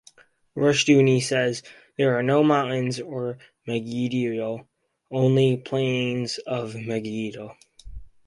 Rushdoony says, There are no mountains of Megiddo, only the Plains of Megiddo.